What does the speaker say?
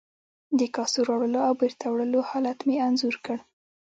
د کاسو راوړلو او بیرته وړلو حالت مې انځور کړ.